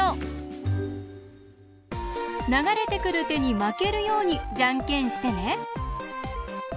ながれてくるてにまけるようにじゃんけんしてね！